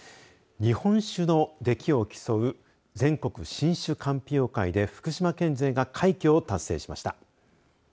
日本酒のできを競う全国新酒鑑評会で福島県勢が快挙を達成しました。